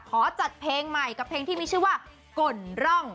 ขอจัดเพลงใหม่กับเพลงที่มีชื่อว่าก่นร่อง